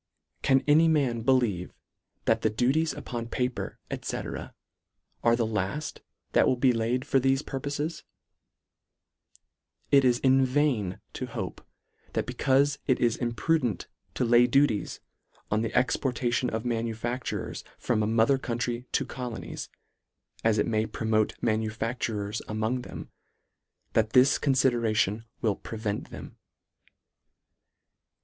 Can any man believe that the duties upon paper, &c. are the laft that will be laid for thefe purposes ? It is in vain to hope, that becaufe it is imprudent to lay duties on the LETTER VIII. 85 exportation of manufactures from a mother country to colonies, as it may promote ma nufactures among them, that this conlidera tion will prevent them.